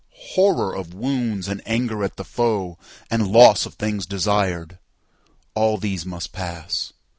Horror of wounds and anger at the foe, And loss of things desired; all these must pass.